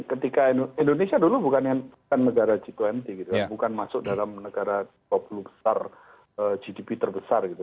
ketika indonesia dulu bukan negara g dua puluh gitu kan bukan masuk dalam negara dua puluh besar gdp terbesar gitu